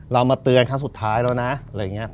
มาเตือนครั้งสุดท้ายแล้วนะอะไรอย่างนี้